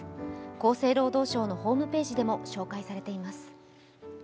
厚生労働省のホームページでも紹介されています。